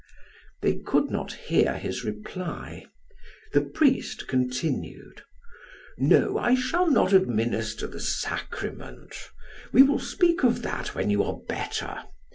They could not hear his reply. The priest continued: "No, I shall not administer the sacrament. We will speak of that when you are better.